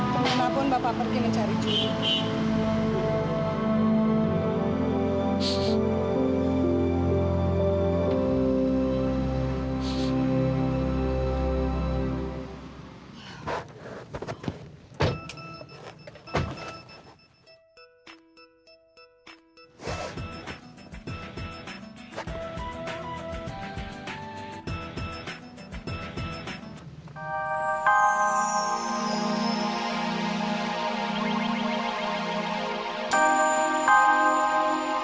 walaupun bapak pergi mencari cuma